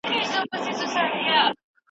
په لاس خط لیکل د ستونزو د حل وړتیا لوړوي.